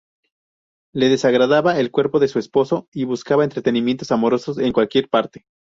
Le desagradaba el cuerpo de su esposo y buscaba entretenimientos amorosos en cualquier parte.